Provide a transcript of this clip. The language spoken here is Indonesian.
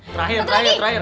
terakhir terakhir terakhir